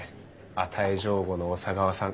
与え上戸の小佐川さん。